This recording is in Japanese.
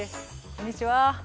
こんにちは。